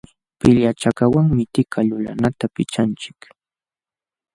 Pillachakaqwanmi tika lulanata pichanchik.